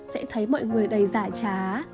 sẽ thấy mọi người đầy giải trá